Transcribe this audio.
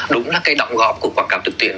đúng là cái động góp của quảng cáo trực tuyến